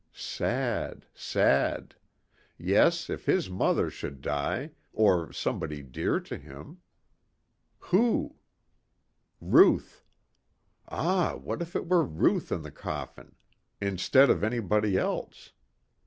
Sad ... sad ... yes, if his mother should die or somebody dear to him. Who? Ruth. Ah, what if it were Ruth in the coffin. Instead of anybody else.